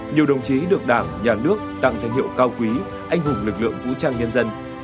nhiều đồng chí được đảng nhà nước tặng danh hiệu cao quý anh hùng lực lượng vũ trang nhân dân